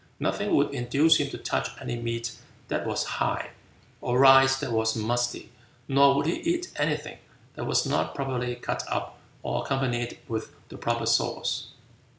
Nothing would induce him to touch any meat that was "high" or rice that was musty, nor would he eat anything that was not properly cut up or accompanied with the proper sauce.